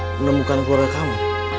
menemukan keluarga kamu